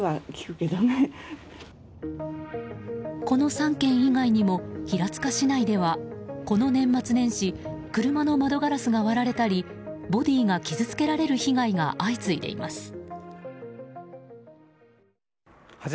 この３件以外にも平塚市内ではこの年末年始車の窓ガラスが割られたりボディーが傷つけられる被害が相次いでいます。